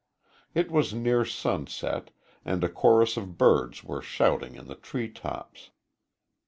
It was near sunset, and a chorus of birds were shouting in the tree tops.